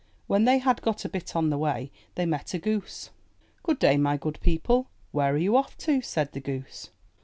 When they had got a bit on the way, they met a goose. ''Good day, my good people. Where are you off to?*' said the goose.